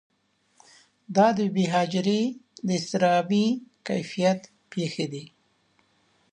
دا د بې بي هاجرې د اضطرابي کیفیت پېښې دي.